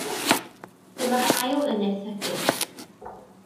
Dyma'r ail ynys hygyrch.